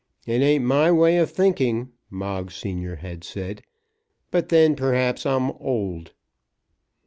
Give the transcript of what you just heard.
"It ain't my way of thinking," Moggs senior had said; "but then, perhaps, I'm old."